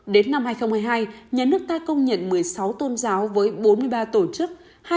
đến năm hai nghìn một mươi hai nhà nước ta công nhận một mươi sáu tôn giáo với bốn mươi ba tổ chức